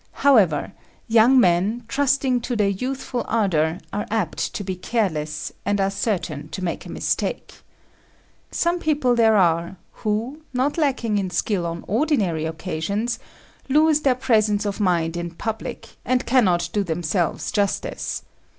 However, young men, trusting to their youthful ardour, are apt to be careless, and are certain to make a mistake. Some people there are who, not lacking in skill on ordinary occasions, lose their presence of mind in public, and cannot do themselves justice.